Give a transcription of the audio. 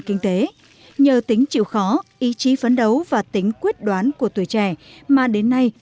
kinh tế nhờ tính chịu khó ý chí phấn đấu và tính quyết đoán của tuổi trẻ mà đến nay